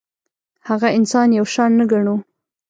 هغه انسان یو شان نه ګڼو.